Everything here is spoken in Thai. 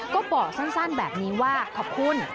ก็บอกสั้นแบบนี้ว่าขอบคุณ